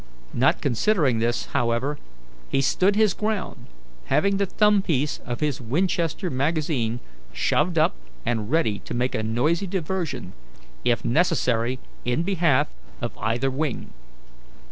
Not considering this, however, he stood his ground, having the thumb piece on his Winchester magazine shoved up and ready to make a noisy diversion if necessary in behalf of either wing.